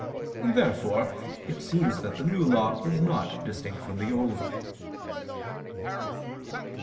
Therefore it seems that the New Law is not distinct from the Old. Obj.